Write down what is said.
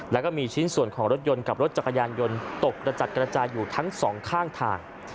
แล้วก็มีชิ้นส่วนของรถยนต์กับรถจักรยานยนต์ตกกระจัดกระจายอยู่ทั้งสองข้างทาง